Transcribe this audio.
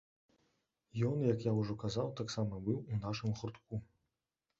Ён, як я ўжо казаў, таксама быў у нашым гуртку.